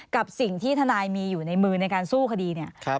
กับสิ่งที่ทนายมีอยู่ในมือในการสู้คดีเนี่ย